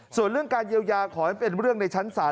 ส่วนเรื่องการเยียวยาขอให้เป็นเรื่องในชั้นศาล